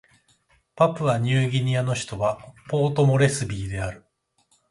パプアニューギニアの首都はポートモレスビーである